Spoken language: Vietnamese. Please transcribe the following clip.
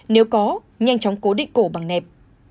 nếu có nhanh chóng cố định cổ bằng nẹp